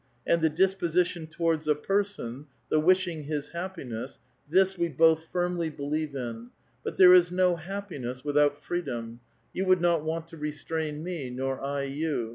And the disposition towards a person, — the wishing his happiness, — this we both firmly believe in. But there is no happiness without freedom. You would not want to restrain me, nor I you.